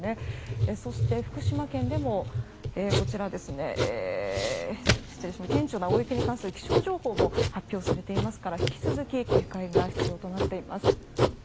そして福島県でも顕著な大雪に関する気象情報も発表されていますから引き続き警戒が必要となっています。